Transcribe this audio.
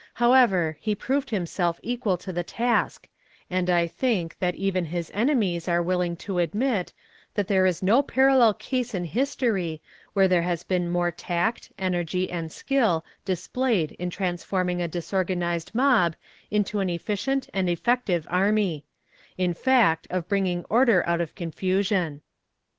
However, he proved himself equal to the task, and I think, that even his enemies are willing to admit, that there is no parallel case in history where there has been more tact, energy and skill displayed in transforming a disorganized mob into an efficient and effective army; in fact, of bringing order out of confusion.